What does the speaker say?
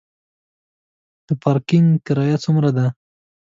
د پارکینګ کرایه څومره ده؟